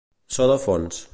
So de fons.